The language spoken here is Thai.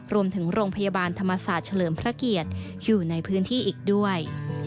โรงพยาบาลธรรมศาสตร์เฉลิมพระเกียรติอยู่ในพื้นที่อีกด้วย